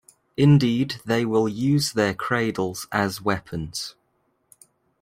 Indeed they will use their cradles as weapons.